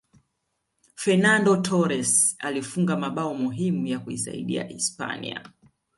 fernando torres alifunga mabao muhimu ya kuisaidia hispania